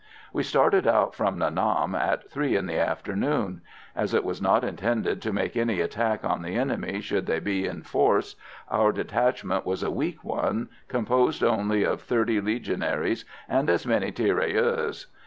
We started out from Nha Nam at three in the afternoon. As it was not intended to make any attack on the enemy should they be in force, our detachment was a weak one, composed only of thirty Legionaries and as many tirailleurs.